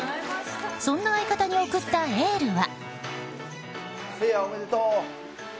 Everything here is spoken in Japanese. そんな相方に送ったエールは。